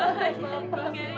papa aku ingin pergi